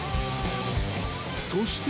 ［そして］